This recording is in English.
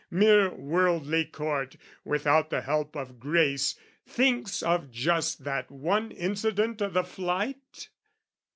Mere worldly Court without the help of grace, Thinks of just that one incident o' the flight?